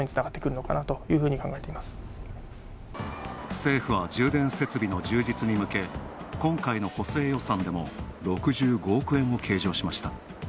政府は充電設備の充実に向け、今回の補正予算でも６５億円を計上しました。